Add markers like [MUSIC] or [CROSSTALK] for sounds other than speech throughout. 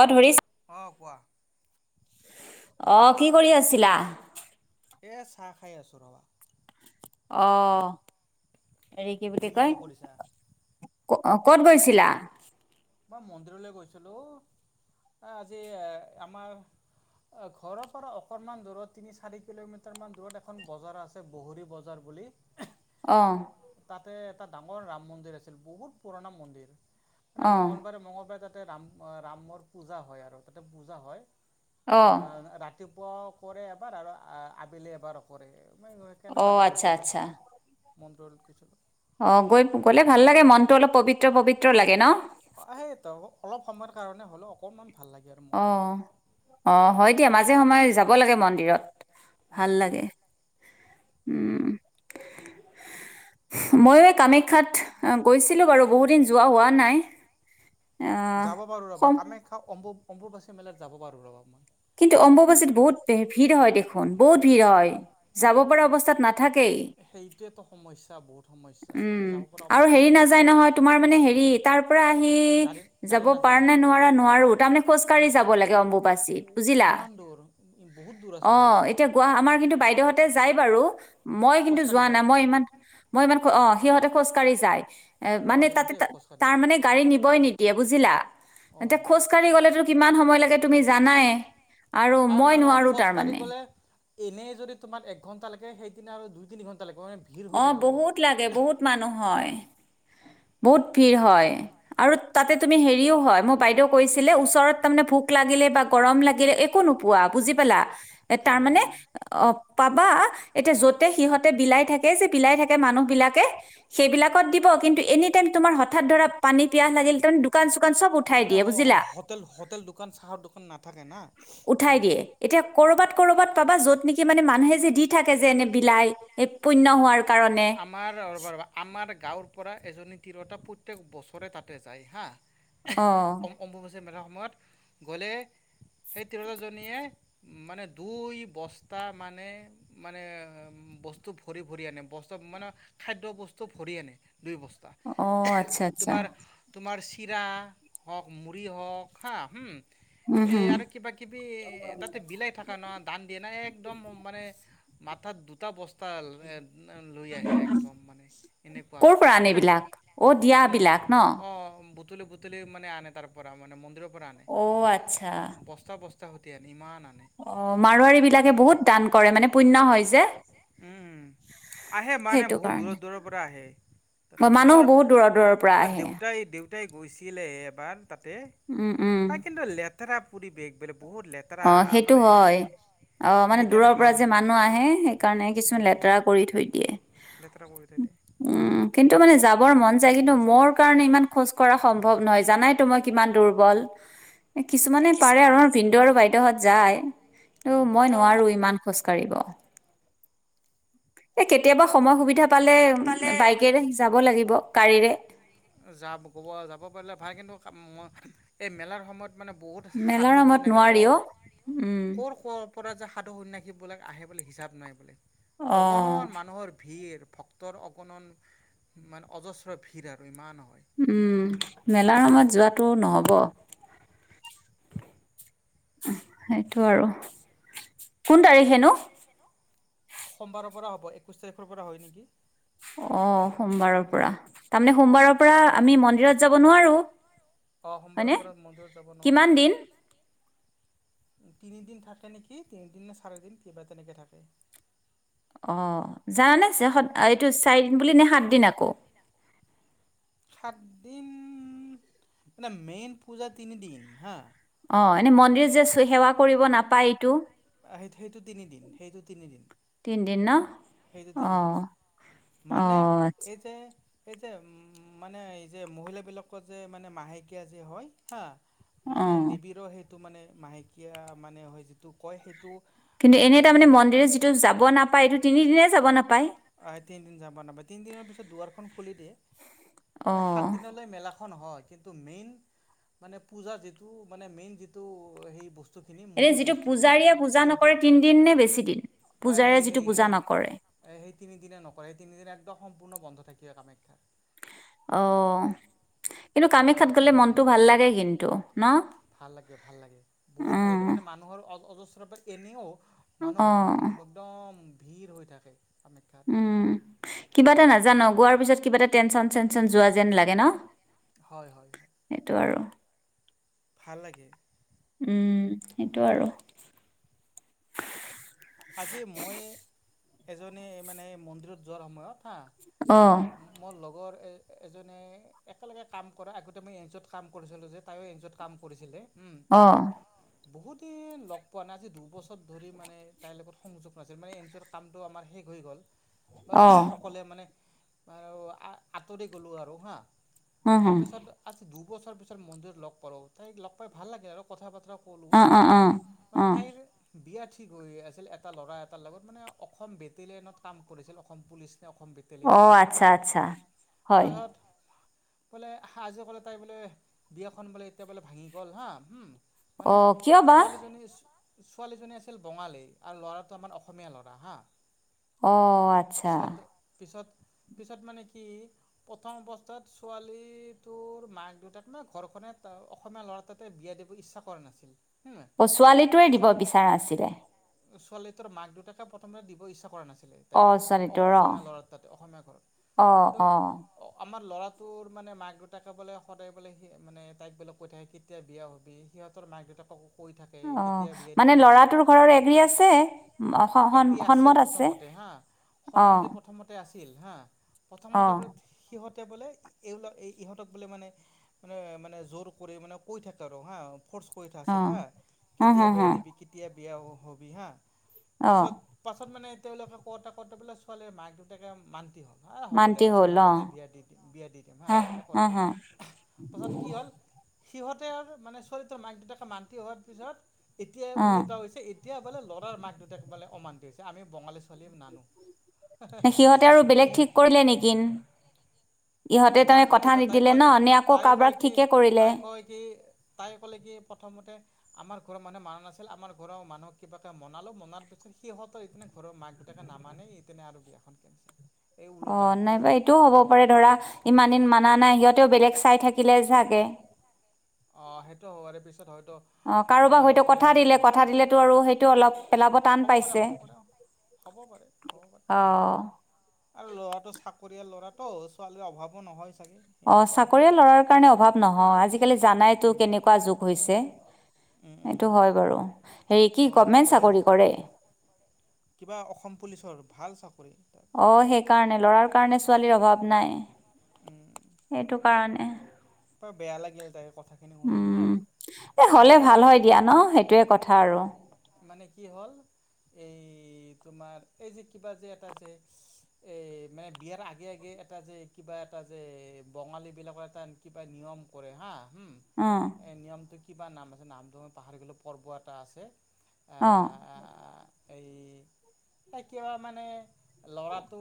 অহ', ধৰিছ। অহ', কোৱা? অহ', কি কৰি আছিলা? এই চাহ খাই আছো ৰবা। অহ', হেৰি কি বুলি তুমি কৈ। কৰিছা ক'ত গৈছিলা? মই মন্দিৰলৈ গৈছিলোঁ আজি আমাৰ ঘৰৰ পৰা অকণমান দূৰত তিনি চাৰি কিলোমিটাৰমান দূৰত এখন বজাৰ আছে বহৰী বজাৰ বুলি। অহ', তাতে এটা ডাঙৰ ৰাম মন্দিৰ আচিল বহুত পুৰণা মন্দিৰ। মানে অ মঙগলবাৰে- মঙগলবাৰে তাত তাতে ৰাম- ৰামৰ পূজা হয় আৰু তাতে পূজা হয়। অ অহ', ৰাতি। পোৱা কৰে এৰবা আৰু আবেলি এবাৰ কৰে। ম কেনে অ তাতে আচ্ছা গৈছিলোঁ। মন্দিৰলৈ অহ ', গৈ গলে ভাল লাগে মনটো অলপ পবিত্ৰ - পবিত্ৰ লাগে ন। সেই ত অলপ সময়ৰ কাৰণে হ'লেও অকণমান। ভাল লাগে আৰু মনটো অহ', - অহ', হয় দিয়া মাজে সময়ে যাব লাগে মন্দিৰত উম ভাল উম উম লাগে। উম', মইও কামাখ্যাত গৈছিলোঁ বাৰু বহুত দিন হোৱা নাই। আহ যাব পাৰো ৰবা সম কামাখ্যা অম্বু অম্বুবাচী মেলাত যাব পাৰোঁ, ৰবা মই। কিন্তু অম্বুবাজিত বহুত ভিৰ হয় দেখোন বহুত ভিৰ হয় যাব পৰা অৱস্থা। সাত না [UNINTELLIGIBLE] থাকেই সেইটোৱেতো সমস্যা বহুত সমস্যা উম যাব পৰা আৰু অৱস্থাত হেৰি নাযায় নাথাকে নহয় তোমাৰ মানে হেৰি তাৰ পৰা আহি গাড়ী যাব গাড়ী পাৰা নাযায় না নে নোৱাৰা নোৱাৰো তাৰমানে খোজকাঢ়ি যাব লাগে অম্বুপাচীত। বুজিলা। ইমান দূৰ বহুত দূৰ আছে অঁ হয়তো এতিয়া আমাৰ কিন্তু বাইদেউ হতে জাই থাকে ই বাৰু। মই কিন্তু খোজকাঢ়ি যোৱা নাই যায় মই ইমান মই ইমান ক। অঁ সিহঁতে খোজকাঢ়ি যায়। এ মই মানে নোৱাৰিম তাতে দেই খোজ কাঢ়িব তাৰ মানে গাড়ী নিবই নিদিয়ে বুজিলা এয়া অঁ খোজ খোজকাঢ়ি গলে কিমান সময় লাগে। তুমি জানাই। আৰু আহ মই নহয় নহয় নোৱাৰোঁ খোজকাঢ়ি তাৰমানে। গ'লে এনেই যদি তোমাৰ এক ঘণ্টা লাগে সেইদিনা আৰু দুই তিনি ঘণ্টা লাগিব মানে ভিৰ হৈ অ থাকিব বহুত লাগে বহুত মানুহ হয়। বহুত ভিৰ হয়, আৰু তাতে তুমি হেৰিও হয় মোৰ বাইদেউ কৈছিলে ওচৰত তাৰমানে ভোক লাগিলে বা গৰম লাগিলে একো নোপোৱা বুজি পালা। এ খাব তাৰ অ মানে, অ প বা এতিয়া যতে সিহঁতে বিলাই থাকে যে পলাই থাকে মানুহ বিলাকে সেইবিলাকত দিব কিন্তু এনি টাইম তোমাৰ হঠাৎ ধৰা পানী পিয়াহ লাগিল তাৰমানে দোকান চোকান চব উঠাই মানে দিয়ে বুজিলা হোটেল হোটেল দোকান চাহৰ দোকান নাথাকে না উঠাই দিয়ে এতিয়া কৰবাত কৰ'বাত পাবা য'ত নেকি মানে মানুহে যে দি থাকে যে এনে বিলাই এই পুণ্য হোৱাৰ কাৰণে আমাৰ ব আমাৰ গাঁৱৰ পৰা এজনী তিৰোতা প্ৰত্যেক বছৰে তাতে যায় হাঁ অ অম্বুবাচী [UNINTELLIGIBLE] মেলা গলে এই তিনিওজনীয়ে মানে দুই বস্তা মানে মানে বস্ত ভৰি ভৰি আনে [UNINTELLIGIBLE] মানে খাদ্য বস্তু ভৰি আনে দুই বস্থা অ আচ্ছা আচ্ছা তোমাৰ তোমাৰ চিৰা হওক মুড়ি হওক হা উম এই হম আৰু কিবা কিবি তাতে বিলাই থকা নয় ধান দিয়ে নাই একদম মানে মাথাত দুটা বস্তা লৈ আহে একদম মানে এনেকুৱা ক'ৰ পৰা আনে প্ৰতেক এইবিলাক? অ' দিয়া বিলাক ন? অ বুতুলি বুতুলি মানে আনে তাৰ পৰা মান মন্দিৰত অ আচ্ছা নি ইমান আনে অ মাৰোৱাৰী বিলাকে বহুত দান কৰে মানে পুণ্য হয় যে উম আহে মানে, সেইটো বহুত কাৰণে। দূৰৰ দূৰৰ পৰা আহে, অ' তাতে মানুহ মোৰ বহুত দূৰৰ দূৰৰ পৰা আহে। দেউতাই দেউ তাই গৈছিলে এবাৰ তাত। উম, উম। তাৰ কিন্তু লেট [UNINTELLIGIBLE] অ' সেইটো হয়। অ' মানে সেইকাৰণে দূৰৰ পৰা ভাল যে মানুহ আহে, সেইকাৰণে কিছুমান মানে লেতেৰা কৰি থৈ দিয়ে। লেতেৰা কৰি দিয়ে তাতে। মোৰ মন যায়। কিন্তু, মোৰ কাৰণে, ইমান খোজ কৰা সম্ভৱ নহয়। জানাইতো মই কিমান দুৰ্বল। কিছুমানে পাৰে আৰু আমাৰ ভিন [UNINTELLIGIBLE] দেহত যায়। অ' মই নোৱাৰো ইমান খোজ কাঢ়িব। এ' কেতিয়াবা সময় সুবিধা পালে বাইকেৰে যাব লাগি গাড়ীৰে যাব, যাব পাৰিলে ভাল। কিন্তু, এই মেলাৰ সময়ত মানে, বহুত মেলাৰ সাধু নামত সন্যসী ক' নোৱাৰি অ উম ক'ৰ ক'ৰ ক'ৰ পৰা যে সাধু সন্যাসীবিলাক আহে বোলে হিচাপ নাই বোলে। অঁ অগণন মানুহৰ ভিৰ। ভক্তৰ অগণন মানে, অজস্ৰ ভিৰ আৰু। [UNINTELLIGIBLE] উম, মেলাৰ সময়ত যোৱাটো নহ'ব। সেইটো আৰু কোন তাৰিখেনো? সোমবাৰৰ পৰা হ'ব। একৈশ তাৰিখৰ পৰা হয় নেকি! অ' সোমবাৰৰ পৰা। তাৰমানে, সোমবাৰৰ পৰা আমি মন্দিৰত যাব নোৱাৰোঁ। অ' সোমবাৰৰ পৰা মন্দিৰত যাব কিমান দিন নোৱাৰাঁ। তিনিদিন থাকে নেকি, তিনিদিন নে চাৰি দিন কিবা তেনেকে থাকে। অ' জানানে যে, এইটো চাৰিদিন বুলি নে সাতদিন আকৌ সাতদিন। মানে, মেইন পূজা তিনিদিন হা! অ'। নে মন্দিৰ যে সেৱা কৰিব নাপায় এইটো, সেই সেইটো তিনিদিন সেইটো তিনিদিন তিনিদিন ন। সেইটো অ' তিনিদিন অ' অ' মানে অ' আচ্ছা। এই যে এই যে মানে, এই যে মহিলাবিলাকৰ যে মানে, মাহেকীয়া যে হয়। হা! মানে, অঁ দেৱীৰৰ সেই এইটো মানে মাহেকীয়া মানে হয় যিটো কয় সেইটো কিন্তু, এনেই সেই তাৰমানে সেই মন্দিৰত যিটো যাব নাপায়, এইটো তিনিদিনেই যাব নাপায়। অ' হয়, তিনদিন যাব নাপায়, তিনদিনৰ পিছত দুৱাৰখন খুলি দিয়ে। মানে অঁ সাতদিনলৈ মেলা অ নহয়, কিন্তু মেইন মানে পূজা যিটো মানে মেইন যিটো হেৰি বস এই যিটো পূজাৰীয়ে পূজা নকৰে তিনদিন নে বেছি দিন, অ সেই পূজাৰীয়ে যিটো সেই পূজা সেই নকৰে। সেই তিনিদিনা নকৰে এই তিনিদিন একদম সম্পূৰ্ণ বন্ধ থাকে কামাখ্যা। অঅঅ। কিন্তু এইটো কামাখ্যাত গ'লে মনটো ভাল লাগে কিন্তু, ন ভাল লাগে ভাল লাগে বহুত ভাল লাগে উম, মানে মানুহৰ অজস্ৰ থোৰা বাত এনেও। মানুহ অঁ বুওওম একদম। ভিৰ হৈ থাকে। কামাখ্যাত উম, ' কিবা এটা নাজা যাৰ নগোৱাৰ পিছত কিবা এটা টেনচন চেনচন যোৱা যেন লাগে ন। হয় হয় হয় সেইটো আৰু ভাল লাগে। উম, সেইটো আৰু ফুচ। আজি মইয়ে এজনীয়ে মানে মন্দিৰত যোৱাৰ সময়ত। অ। এই এজনে একেলগে কাম কৰা আগতে মই এন-জি-ও ত কাম কৰিছিলোঁ যে, তাইও এন- জি- ও ত কাম কৰিছিলে। অ অ। বহুদিন লগ পোৱা নাই আজি দুবছৰ ধৰি মানে তাইৰ লগত সংযোগ নাছিল। মানে এন-জি-ও ত কামটো আমাৰ শেষ হৈ গ'ল। বা, অঁ আহ্ অকলে মানে। তাই আৰু আ আঁতৰি গ'লো আৰু হা। অঁ অঁ তাৰপিছত আজি দু দুবছৰ পিছত মন্দিৰত লগ পালোঁ, তাইক লগ পাই ভাল লাগে আৰু কথা বতৰা কলোঁ হা, অঁ অঁ ম অঁ তাইৰ বিয়া ঠিক হৈয়ে আছে। আছিল এটা ল'ৰা এটাৰ লগত মানে অসম বেটেলিয়নত কাম কৰিছিল অসম পুলিচ অসম বেটেলিয়ন অঁ কিবা হা আচ্ছা আচ্ছা তাৰ হয় ঘৰত ক'লে আজিও কলে তাই বোলে বিয়াখন বোলে এতিয়া বোলে ভাঙি গ'ল হা হুম। মানে অঁ কিয় বা ছোৱালীজনী ইচ ছোৱালীজনী আছিল বঙালী। আৰু ল'ৰাটো আমাৰ অসমীয়া ল'ৰা হা। অঁ, আচ্ছা। পিছত পিছত পিছত মানে কি, প্ৰথম অৱস্থাত ছোৱালী টোৰ মাক দেউতাক মানে ঘৰখনে অসমীয়া ল'ৰা তাতে বিয়া দিব ইচ্ছা কৰা নাছিল। অঁ, ছোৱালীটোৱে দিব পিছত বিচৰা আছিলে। ছোৱালী তোৰ মাক দেউতাকে প্ৰথমে দিব ইচ্ছা কৰা নাছিল। ত' অ' ছোৱালীটোৰ অ' অসমীয়া ল'ৰা তাত অসমীয়া ঘৰত, অ' কিন্তু অ' আমাৰ ল'ৰাটোৰ মানে মাক দেউতাকে বোলে সদায় বোলে সি মানে তাইক বোলে কৈ থাকে, কেতিয়া বিয়া হবি সিহঁতৰ মাক দেউতাকক কৈ থাকে অ' কেতিয়া বিয়া মানে দিবি হা ল'ৰাটোৰ ঘৰৰ এগ্ৰী আছে উম, অ, সন- এগী সন- আছিল সন্মত আছে প্ৰথমতে হা, সন্মতি অ' প্ৰথমতে আছিল হা, প্ৰথমতে অ' সিহঁত তেয়া বোলে এইবলাক এই ইহঁতক বোলে মানে মানে-মানে জোৰ কৰি মানে কৈ থাকে আৰু হা। ফৰ্চ কৰি থা আছিল অ' হা, হুম কেতিয়া হুম বেয়া হুম দিবি কেতিয়া [UNINTELLIGIBLE] হবি হা। অ' পাছত-পাছত মানে তেওঁলোকে কওঁতে কওঁঁতে বোলে ছোৱালীৰ মাক দেউতাকে মান্তি হ'ল। হা হ'ব দে মান্তি হ'ল অসমীয়া অ' তাতে বিয়া দি দিম বিয়া দি দিম হা হুম একো হুম নাই, হুম পাছত কি হ'ল সিহঁতে আৰু মানে চোৱালীটোৰ মাক দেউতাকে মান্তি হোৱাৰ পিছত এতিয়া অ ওলোটা হৈছে এ এতিয়া বোলে ল'ৰাৰ মাক দেউতাক বোলে অমান্তি হৈছে, আমি বঙালী ছোৱালী নানো। সিহঁতে আৰু বেলেগ এনে ঠিক কৰিলে নেকি। ইহঁতে ত জানো কথা কিবা তাই নিদিলে কয় ন নে আকৌ তাই কয় কাৰোবাক কি ঠিকে কৰিলে। তাই কয় কি তাই ক'লে কি প্ৰথমতে আমাৰ ঘৰৰ মানুহে মানা নাছিল আমাৰ ঘৰৰ মানুহ কিবাকে মনালো মনাৰ পিছত সিহঁতৰ ইপিনে ঘৰৰ মাক দেউতাকে নামানে, ইপিনে আৰু [UNINTELLIGIBLE] অঁ, হৈ গৈছে নাইবা এইটোও হ'ব পাৰে ধৰা ইমান দিন মানা নাই, সিহঁতেও বেলেগ চাই থাকিলে ছাগে। অঁ, সেইটো হ'ব পাৰে পিছত হয় অ কাৰোবাক মানে হয়তো কলে কথা নেকি, দিলে কথা দিলেতো আৰু সেইটো অলপ পেলাব টান হ'ব পাৰে- পাইছে হ'ব পাৰে- হব পাৰে, অ আৰু ল'ৰাটো চাকৰিয়াল ল'ৰা ত' ছোৱালীৰ অভাৱো নহয় চাগে অঁ, সেনেকুৱা হয় চাকৰিয়াল ল'ৰাৰ কাৰণে অভাৱ নহয়, আজিকালি জানাই টো উম কেনেকুৱা যুগ হৈছে। উম উম এইটো হয় বাৰু। ৰিকি গভমেণ্ট সকলোৱে চাকৰি কৰে। কিবা অসম পুলিচৰ, ভাল চাকৰি। তাত অঁ, সেইকাৰণে ল'ৰাৰ কাৰণে ছোৱালীৰ অভাৱ নাই, সেইটো কাৰণে বেয়া লাগিল তাই কথাখিনি শুনি উম হাঁ এ এই হ'লে যে ভাল হয় দিয়া ন সেইটোৱে কথা আৰু মানে কি হ'ল এই তোমাৰ এই যে কিবা যে এটা যে এই মানে বিয়াৰ আগে আগে এটা যে কিবা এটা যে বঙালীবিলাকৰ এটা কিবা নিয়ম কৰে হাঁ উম অ এ নিয়মটো কিবা নাম আছে নামটো আমি পাহৰি গ'লেও পৰ্ব এটা আছে অঁ এই কিবা মানে ল'ৰাটো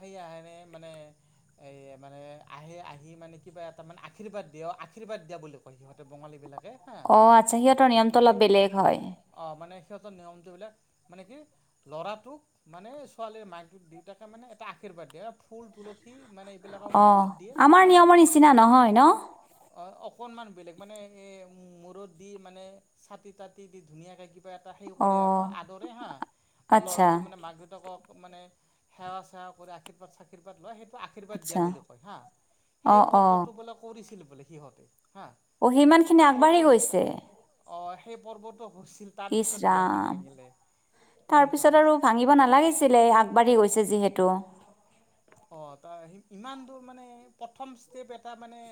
সে আহেনে মানে এই মানে আহে আহি মানে কিবা এটা তাৰমানে আশীৰ্বাদ দিয়া আশীৰ্বাদ দিয়া বুলি কয় সিহঁতে বঙালী বিলাক অঁ আচ্ছা সিহঁতৰ নিয়মটো অলপ বেলেগ হয় অ মানে সিহঁতৰ নিয়মটোবিলাক মানে কি ল'ৰাটোক মানে ছোৱালীৰ মাকটোক দেউতাকে মানে এটা আশীৰ্বাদ দিয়ে ফুল তুলসী মানে এইবিলাকৰ অঁ মূৰত দিয়ে আমাৰ নিয়মৰ নিচিনা নহয় ন অঁ অকণমান বেলেগ মানে এই মূৰত দি মানে চাটি তাতি দি ধুনীয়াকৈ কিব এটা সেই অ কৰে আৰু হাঁ আদৰে হাঁ ম আচ্ছা ল'ৰাটো মানে মাক দেউতাকক মানে সেৱা চেৱা কৰি আশীৰ্বাদ চাশিৰ্বাত লয় সেইটো আশীৰ্বাদ দিয়া আচ্ছা বুলি কয় হাঃ অ সেই পৰ্বটো বোলে কৰিছিলো বোলে সিহঁতে অঁ সিমান খিনি সেই আগবাঢ়ি পৰ্ব গৈছে অঁ সেই পৰ্বত ইচৰাম তাৰ এনেকুৱা পিছত হৈছে আৰু ভাঙিব নালাগিছিলে আগবাঢ়ি গৈছে যিহেতু টো অঁ ত ইমান দূৰ মানে প্ৰথম ষ্টেপ এটা মানে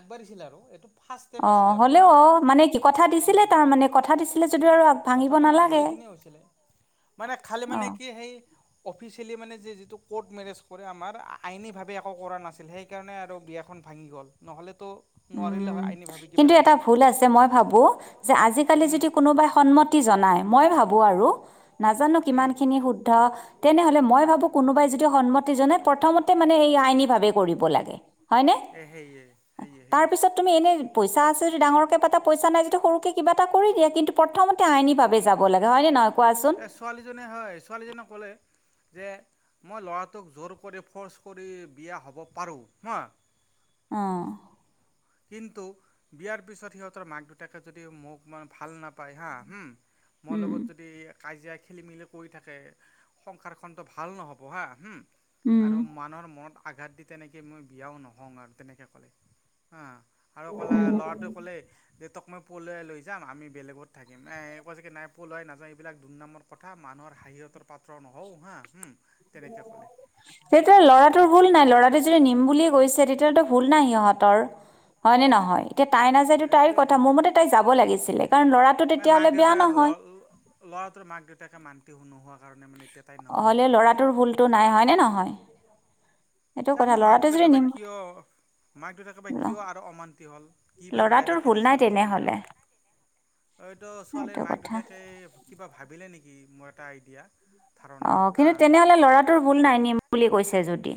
আগবাঢ়িছিল আৰু এইটো ফাৰ্ষ্ট ষ্টেপ অঁ আছিল আৰু হ'লেও হা অঁ মানে কি কথা দিছিলে তাৰ মানে কথা দিছিলে যদিও আৰু আগ- কথা ভাঙিব ভালে নালাগে খিনি হৈছিল মানে খালি অ মানে কি সি অফিচ যিটো কৰ্টমেৰেচ কৰে আমাৰ আইনি ভাৱে একো কৰা নাই সেইকাৰণে বিয়াখন ভাঙি গ'ল নোৱাৰিলে উম হয় আইনীভাৱে কিবা কিন্তু এটা কৰিলে ভুল আছে মই ভাবো যে আজিকালি উম যদি কোনোবাই সন্মত জনাই মই ভাবোঁ আৰু নাজানো কিমান উম খিনি শুদ্ধ তেনেহ'লে মই ভাবোঁ কোনোবাই যদি সন্মতি জনাই প্ৰথমতে মানে এই আইনীভাৱে কৰিব লাগে হয়নে এ সেই স তাৰপিছত তুমি এনেই পইচাঁ আছে যদি ডাঙৰ কিবা এটা পইচাঁ নাই যদি সৰুকে কিবা এটা কৰি দিয়ে কিন্তু প্ৰথমতে আইনী ভাৱে যাব লাগে হয়নে নহয় কোৱাচোন এ ছোৱালীজননে হয় ছোৱালীজনিক কলে যে মই ল'ৰাটোক জোৰ কৰি ফ'ৰ্চ কৰি বিয়া হ'ব পাৰোঁ হাঁ আহঁ কিন্তু বিয়াৰ পিছত সিহঁতৰ মাক দেউতাকে যদি মোক মানে ভাল নাপায় হা হুম মোৰ উম লগত যদি কাজিয়া খেলি মেলি কৰি থাকে সংসাৰখনতটো ভাল নহ'ব হা উম আৰু মানুহৰ মনত আঘাত দি তেনেকৈ মই বিয়াও নহওঁ আৰু তেনেকৈ ক'লে অ আৰু কলা উম ল'ৰাটোৱে ক'লেই দেউতাক মই পলুৱাই লৈ যাম আমি বেলেগত থাকিম এ কোৱা চাগৈ নাই পলুৱাই নাযাওঁ এইবিলাক দুৰ্নামৰ কথা মানুহৰ হাঁহিৰঁতৰ পাত্ৰ নহওঁ হা তেনেকৈ ক'লে সেইটো লৰাটোৰ ভুল নাই লৰাটো যদি নিম বুলিয়ে গৈছে তেতিয়ো ভুল নাই সিহঁতৰ হয়নে নহয় এতিয়া তাই নাযায় এইটো তাইৰ এইটোৱে কথা মোৰ মতে তাই যাব লাগিছিলে কাৰণ ল'ৰাটো মানে মাক তেতিয়াহলে বেয়া দেউতাকে ল নহয় ল'ৰাটোৰ মাক দেউতাকে মান্তি নোহোৱা কাৰণে মানে এতিয়া তাই নাও হলে নোযোৱা হৈছে ল'ৰাটোৰ ভুলতো নাই হয়নে নহয় সেইটো কথা জানো মাক ল'ৰাটোৱে যদি দেউতাকে বা নিম কিয় মাক দেউতাকে বা কিয় আৰু অমান্তি হল কি বা বেয়া ল'ৰাটোৰ দেখিলে ভুল নাই ছোৱালীজনীৰ তেনেহ'লে আৰু এইতো সেইটো ছোৱালীৰ মাক কথা দেউতাকে কিবা ভাবিলে নেকি মোৰ এটা আইডিয়া ধাৰণা অ হা কিন্তু তেনেহলে লৰাটোৰ ভুল নাই নিম বুলি কৈছে য়ে যদি,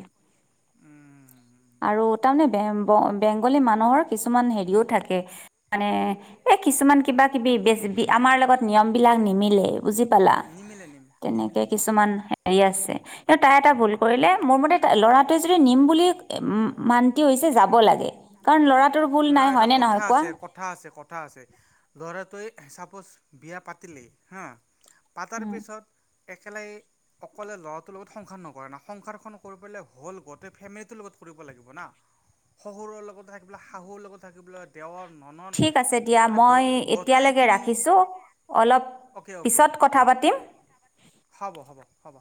উম আৰু তাৰ মানে বেম ব বেংগলী মানুহৰ কিছুমান হেৰিও থাকে মানে এই কিছুমান কিবা কিবি বেছ বি আমাৰ লগত নিয়ম বিলাক নিমিলে বুজি পালা নিমিলে নিমিলে তেনেকে নিমিলে সেই নিমিলে কিছুমান হেৰি আছে কিন্তু তাই এটা ভুল কৰিলে মোৰ মতে ল'ৰাটোৱে যদি নিম বুলি মান্তি হৈছে যাব লাগে কাৰণ ল'ৰা না এটা কথা আছে কথা আছে কথা আছে ধৰা তই চাপ'জ বিয়া পাতিলে হা পাতাৰ উম, পিছত একেলাই অকলে ল'ৰাটোৰ লগত সংসাৰ নকৰে না সংসাৰখন কৰিবলে হ'ল গোটেই ফেমিলিটোৰ লগত কৰিব লাগিব না শহুৰৰ লগত থাকি পেলাই শাহুৰ লগত থাকিবলৈ দেওৰ ঠিক আছে দিয়া মই এতিয়ালৈকে গোটেইখিনি ৰাখিছো অলপ অ'কে অ'কে পিছত কথা পাতিম হ'ব হ'ব হ'ব